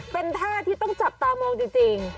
เป็นท่าที่ต้องจับตามองจริง